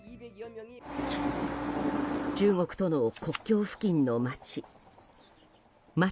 中国との国境付近の町。